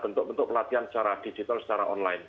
bentuk bentuk pelatihan secara digital secara online